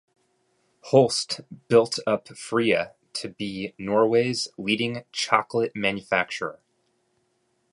Holst built up Freia to be Norway's leading chocolate manufacturer.